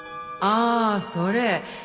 ああそれ？